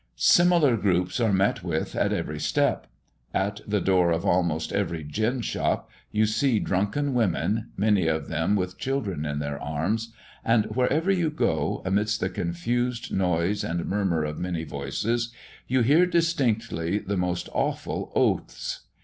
Similar groups are met with at every step. At the door of almost every gin shop you see drunken women, many of them with children in their arms; and wherever you go, amidst the confused noise and murmur of many voices, you hear distinctly the most awful oaths.